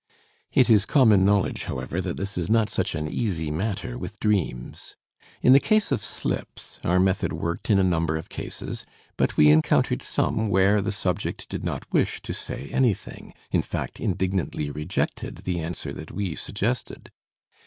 It is common knowledge, however, that this is not such an easy matter with dreams. In the case of slips, our method worked in a number of cases, but we encountered some where the subject did not wish to say anything in fact, indignantly rejected the answer that we suggested.